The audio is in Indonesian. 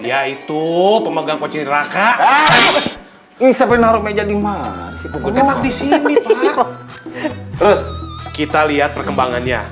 yaitu pemegang kociraka isap naruh meja di marsi kemudian disini terus kita lihat perkembangannya